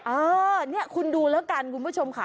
เออเนี่ยคุณดูแล้วกันคุณผู้ชมค่ะ